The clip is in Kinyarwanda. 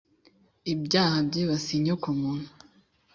ibyaha byibasiye inyoko muntu,